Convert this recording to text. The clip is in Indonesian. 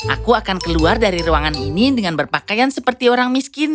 aku akan keluar dari ruangan ini dengan berpakaian seperti orang miskin